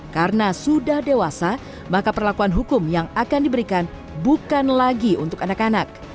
karena sudah dewasa maka perlakuan hukum yang akan diberikan bukan lagi untuk anak anak